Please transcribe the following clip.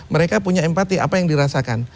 mereka punya empati apa yang dirasakan